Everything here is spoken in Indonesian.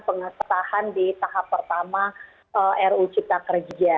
pengesahan di tahap pertama ru ciptakerja